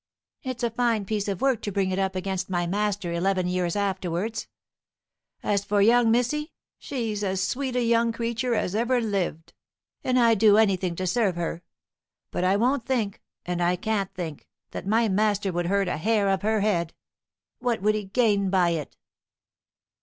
It's a fine piece of work to bring it up against my master eleven years afterwards. As for young missy, she's as sweet a young creature as ever lived, and I'd do anything to serve her. But I won't think, and I can't think, that my master would hurt a hair of her head. What would he gain by it?"